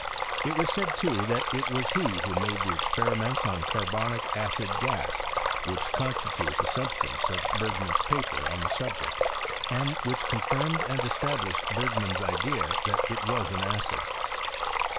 It is said, too, that it was he who, made the experiments on carbonic acid ^as, which constitute the substance of Bef^man's paper on the subject, and which confirmed and established Berg man's idea that it was an acid.